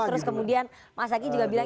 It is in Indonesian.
terus kemudian mas zaky juga bilang